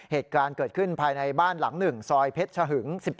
เหตุการณ์เกิดขึ้นภายในบ้านหลัง๑ซอยเพชรชะหึง๑๒